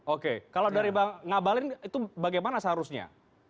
oke kalau dari bang ngabalin itu bagaimana seharusnya